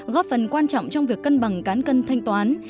góp phần quan trọng trong việc cân bằng cán cân thanh toán